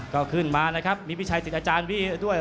ก็ขึ้นมานะครับมีพี่ชัยติดอาจารย์พี่ด้วย